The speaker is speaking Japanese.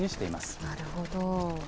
なるほど。